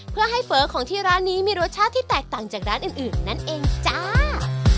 เพื่อให้เฟ้อของที่ร้านนี้มีรสชาติที่แตกต่างจากร้านอื่นนั่นเองจ้า